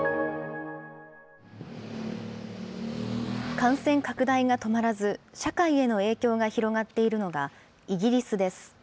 感染拡大が止まらず、社会への影響が広がっているのがイギリスです。